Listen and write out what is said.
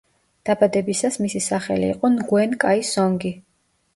დაბადებისას მისი სახელი იყო ნგუენ კაი სონგი.